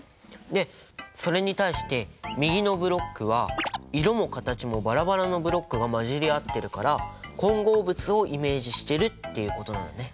でそれに対して右のブロックは色も形もバラバラのブロックが混じり合ってるから混合物をイメージしてるっていうことなんだね。